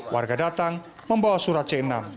warga datang membawa surat c enam